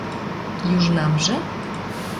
южнамжы